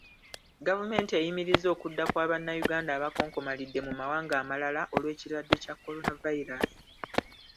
Gavumenti eyimirizza okudda kwa Bannayuganda abakonkomalidde mu mawanga amalala olw'ekirwadde kya Kolanavayiraasi.